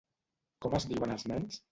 Com es diuen els nens?